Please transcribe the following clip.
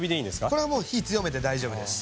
これはもう火強めて大丈夫です。